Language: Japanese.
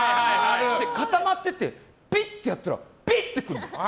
固まってて、ピッてやったらピッ！って来るの。